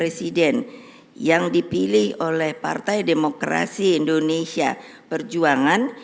presiden yang dipilih oleh partai demokrasi indonesia perjuangan